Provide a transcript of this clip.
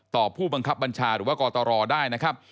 ผู้บังคับบัญชาหรือว่ากตรได้นะครับ